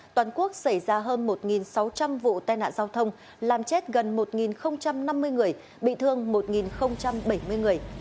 toàn quốc xảy ra hơn một sáu trăm linh vụ tai nạn giao thông làm chết gần một năm mươi người bị thương một bảy mươi người